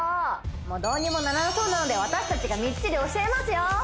もうどうにもならなそうなので私たちがみっちり教えますよ！